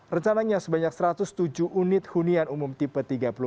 rencananya sebanyak satu ratus tujuh unit hunian umum tipe tiga puluh empat